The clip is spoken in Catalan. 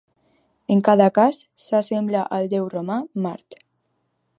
En cada cas, s'assembla al déu romà Mart.